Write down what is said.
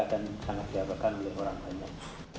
dan sangat diadakan oleh orang banyak